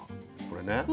これね。